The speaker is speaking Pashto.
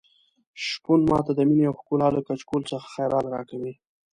شپون ماته د مينې او ښکلا له کچکول څخه خیرات راکوي.